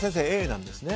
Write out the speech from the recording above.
Ａなんですね。